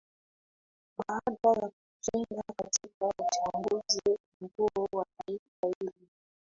baada ya kushinda katika uchaguzi mkuu wa taifa hilo